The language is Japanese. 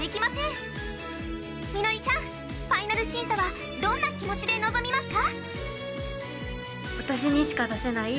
ファイナル審査はどんな気持ちで臨みますか？